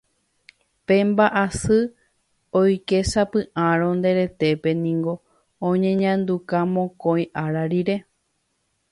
Pe mba'asy oikesapy'árõ nde retépe niko oñeñanduka mokõi ára rire